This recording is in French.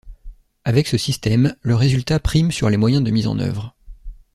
Avec ce système le résultat prime sur les moyens de mise en œuvre.